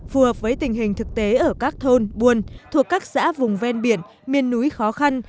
phù hợp với tình hình thực tế ở các thôn buôn thuộc các xã vùng ven biển miền núi khó khăn